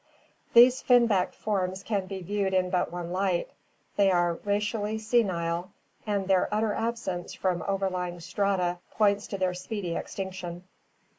These fin backed forms can be viewed in but one light — they are racially senile, and their utter absence from overlying strata points to their speedy extinction.